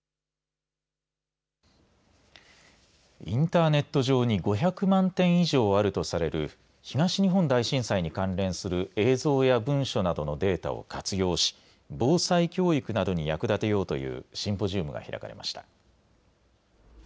インターネット上に５００万点以上あるとされる東日本大震災に関連する映像や文書などのデータを活用し防災教育などに役立てようというシンポジウムが開かれました。